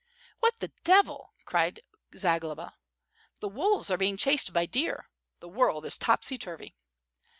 "What the devil!" cried Zagloba. "The wolves. are being chased by deer. The world is topsy turvy."